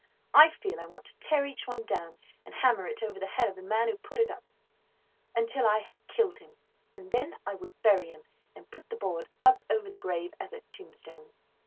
I feel I want to tear each one down, and hammer it over the head of the man who put it up, until I have killed him, and then I would bury him, and put the board up over the grave as a tombstone.